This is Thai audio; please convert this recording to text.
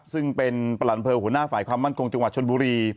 ซึ่งเป็นประหลัวหัวหน้าฝ่ายความมั่นคงจังหวัดชนบุรี